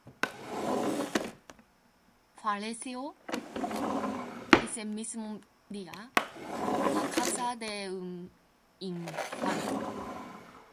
Falleció ese mismo día, a causa de un infarto.